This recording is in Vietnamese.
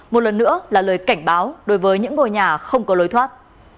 một lần nữa là lời cảnh báo đối với những ngôi nhà không có lối thoát